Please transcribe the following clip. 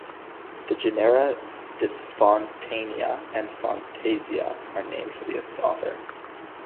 The genera "Desfontainia" and "Fontanesia" are named for this author.